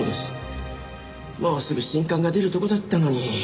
もうすぐ新刊が出るとこだったのに。